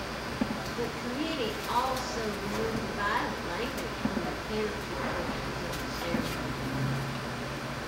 The committee also removed the violent language from the "penalty" portions of the ceremony.